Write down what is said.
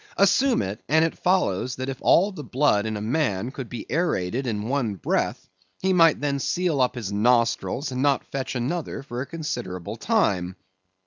Assume it, and it follows that if all the blood in a man could be aerated with one breath, he might then seal up his nostrils and not fetch another for a considerable time.